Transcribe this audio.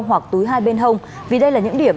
hoặc túi hai bên hông vì đây là những điểm